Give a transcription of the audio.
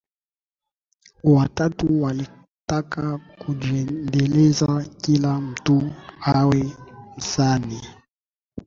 Watatu walitaka kujiendeleza kila mtu awe msanii